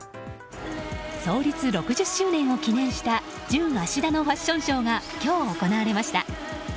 創立６０周年を記念したジュンアシダのファッションショーが今日、行われました。